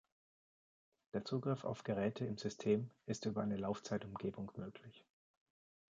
Der Zugriff auf Geräte im System ist über eine Laufzeitumgebung möglich.